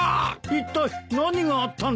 いったい何があったんですか？